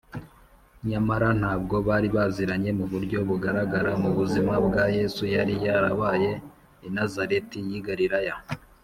nyamara ntabwo bari baziranye mu buryo bugaragara. Mu buzima bwa Yesu yari yarabaye i Nazareti y’i Galilaya